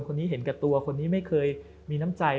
คนนี้เห็นแก่ตัวคนนี้ไม่เคยมีน้ำใจ